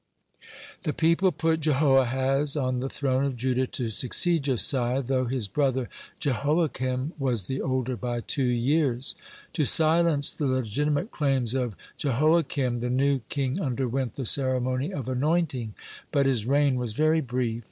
(123) The people put Jehoahaz on the throne of Judah to succeed Josiah, though his brother Jehoiakim was the older by two years. To silence the legitimate claims of Jehoiakim, the new king underwent the ceremony of anointing. (124) But his reign was very brief.